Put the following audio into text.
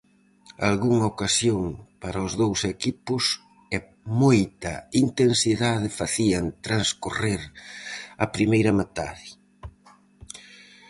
Algunha ocasión para os dous equipos e moita intensidade facían transcorrer a primeira metade.